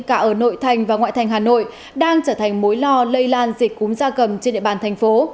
cả ở nội thành và ngoại thành hà nội đang trở thành mối lo lây lan dịch cúm da cầm trên địa bàn thành phố